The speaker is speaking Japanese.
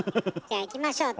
じゃあいきましょう。